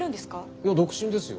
いや独身ですよ？